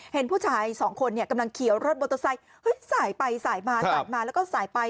เห็นผู้ชายสองคนเนี่ยกำลังเขียวรถมอเตอร์ไซค์สายไปสายมาสายมาแล้วก็สายไป